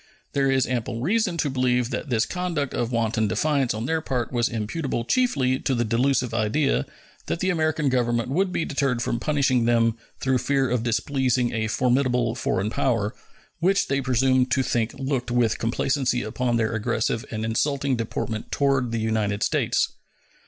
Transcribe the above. There is ample reason to believe that this conduct of wanton defiance on their part is imputable chiefly to the delusive idea that the American Government would be deterred from punishing them through fear of displeasing a formidable foreign power, which they presumed to think looked with complacency upon their aggressive and insulting deportment toward the United States.